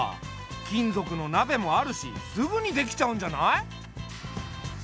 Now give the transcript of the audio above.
金属の鍋もあるしすぐに出来ちゃうんじゃない？